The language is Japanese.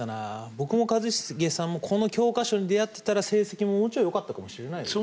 僕も一茂さんもこの教科書に出会ってたら成績も、もうちょいよかったかもしれないですね。